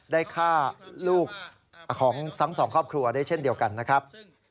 ได้ฆ่าลูกของทั้งสองครอบครัวได้เช่นเดียวกันนะครับ